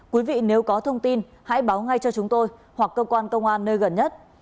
quý vị nếu có thông tin hãy báo ngay cho chúng tôi hoặc cơ quan công an nơi gần nhất